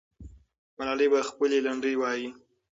ملالۍ به خپلې لنډۍ وایي.